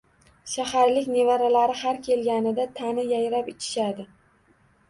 Shaharlik nevaralari har kelganida tani yayrab ichishadi